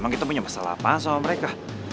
emang kita punya masalah apa sama mereka